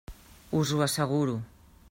Us ho asseguro.